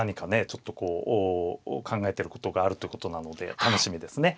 ちょっとこう考えてることがあるということなので楽しみですね。